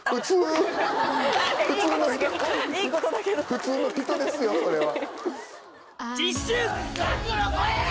普通の人ですよそれは。